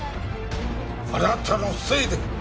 あなたのせいで！